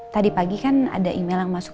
tadi pagi kan ada email yang masuk